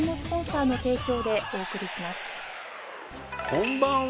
こんばんは。